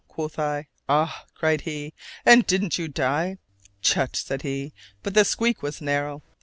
quoth I: "Ah!" cried he, "and didn't you die?" "Chut!" said he, "but the squeak was narrow!